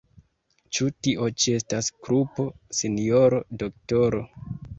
Ĉu tio ĉi estas krupo, sinjoro doktoro?